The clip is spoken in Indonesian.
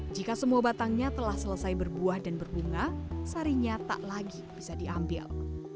jika semua batangnya telah selesai berbuah dan berbunga sarinya tak lagi bisa diambil